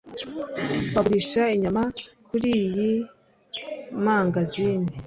Bagurisha inyama kuriyi mangazini